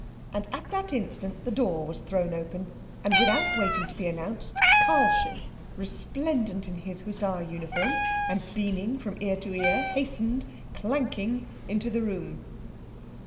And at that instant the door was thrown open, and without waiting to be announced, Karlchen, resplendent in his hussar uniform, and beaming from ear to ear, hastened, clanking, into the room.